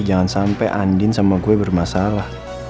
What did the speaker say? jangan sampai andin sama gue bermasalah